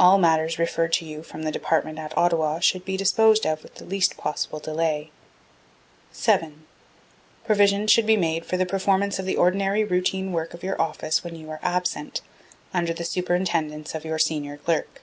All matters referred to you from the Department at Ottawa should be disposed of with the least possible delay. 7. Provision should be made for the performance of the ordinary routine work of your office when you are absent, under the superintendence of your senior clerk.